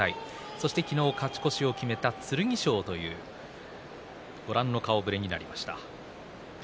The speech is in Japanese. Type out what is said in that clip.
そして昨日、勝ち越しを決めた剣翔という顔ぶれになりました。